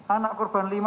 anak korban lima